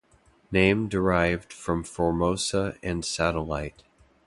Name derived from Formosa and satellite.